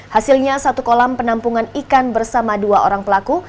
hasilnya satu kolam penampungan ikan bersama dua orang pelaku